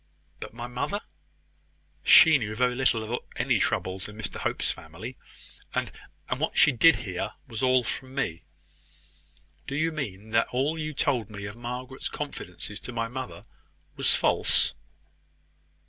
"But my mother?" "She knew very little of any troubles in Mr Hope's family; and and what she did hear was all from me." "Do you mean that all you told me of Margaret's confidences to my mother was false?"